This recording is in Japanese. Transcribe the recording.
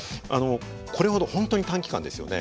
これほど本当に短期間ですよね。